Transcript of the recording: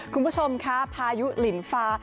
คุณผู้ชมค่ะพายุหลินฟ้า